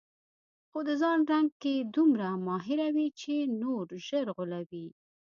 خو د ځان رنګ کې دومره ماهره وي چې نور ژر غولوي.